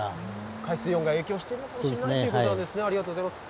海水温が影響しているかもしれないということですね、ありがとうございます。